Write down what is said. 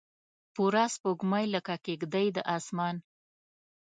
پوره سپوږمۍ لکه کیږدۍ د اسمان